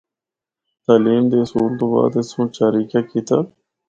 تعلیم دے حصول تو بعد اس سنڑ چاریکا کیتا۔